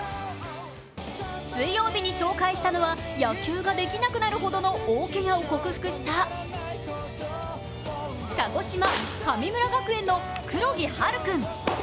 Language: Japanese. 水曜日に紹介したのは野球ができなくなるほどの大けがを克服した鹿児島・神村学園の黒木陽琉君。